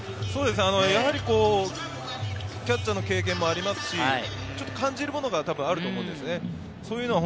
やはりキャッチャーの経験もありますし、ちょっと感じるものがあると思うんですよね。